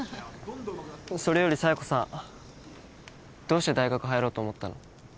それより佐弥子さんどうして大学入ろうと思ったの？